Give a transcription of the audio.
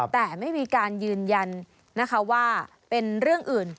แต่ไม่มีการยืนยันนะคะว่าเป็นเรื่องอื่น